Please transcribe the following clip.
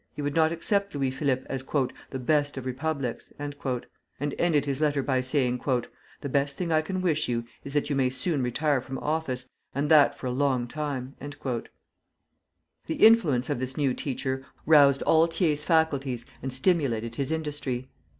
He would not accept Louis Philippe as "the best of republics," and ended his letter by saying: "The best thing I can wish you is that you may soon retire from office, and that for a long time." The influence of this new teacher roused all Thiers' faculties and stimulated his industry.